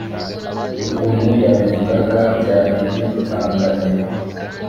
ukuntu yabivugaga byaribikanganye